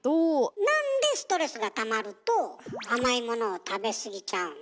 なんでストレスがたまると甘いものを食べ過ぎちゃうの？